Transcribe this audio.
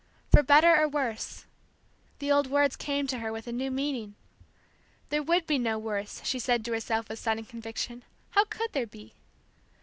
"For better or worse," the old words came to her with a new meaning. There would be no worse, she said to herself with sudden conviction, how could there be?